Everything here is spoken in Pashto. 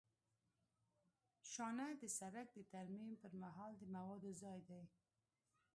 شانه د سرک د ترمیم پر مهال د موادو ځای دی